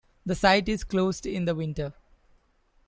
The site is closed in the winter.